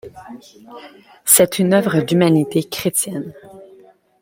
C’est une œuvre d’humanité chrestienne...